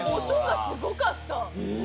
音がすごかった。